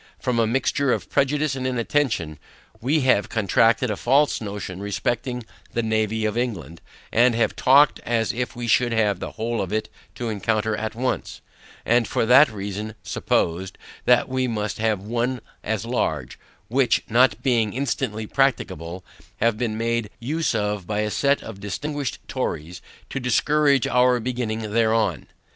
From a mixture of prejudice and inattention, we have contracted a false notion respecting the navy of England, and have talked as if we should have the whole of it to encounter at once, and for that reason, supposed, that we must have one as large; which not being instantly practicable, have been made use of by a set of disguised Tories to discourage our beginning thereon.